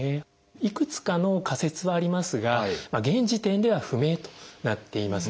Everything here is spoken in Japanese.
いくつかの仮説はありますが現時点では不明となっています。